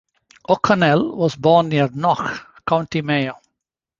O'Connell was born near Knock, County Mayo.